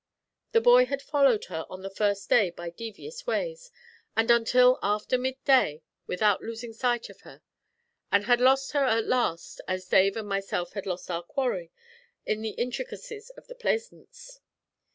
The boy had followed her on the first day by devious ways, and until after mid day, without losing sight of her; and had lost her at last, as Dave and myself had lost our quarry, in the intricacies of the Plaisance.